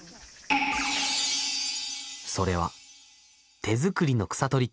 それは手作りの草取り機。